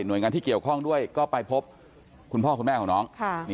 โดยงานที่เกี่ยวข้องด้วยก็ไปพบคุณพ่อคุณแม่ของน้อง